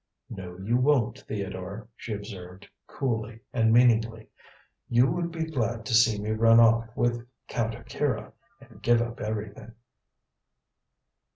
"No, you won't, Theodore," she observed, coolly, and meaningly; "you would be glad to see me run off with Count Akira and give up everything."